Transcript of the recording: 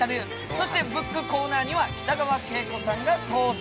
そしてＢＯＯＫコーナーには北川景子さんが登場。